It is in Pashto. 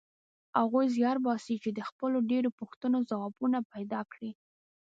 هغوی زیار باسي چې د خپلو ډېرو پوښتنو ځوابونه پیدا کړي.